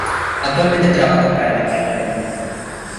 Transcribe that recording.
Actualmente trabaja para la cadena Telemundo.